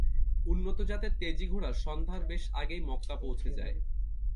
উন্নত জাতের তেজি ঘোড়া সন্ধ্যার বেশ আগেই মক্কা পৌঁছে যায়।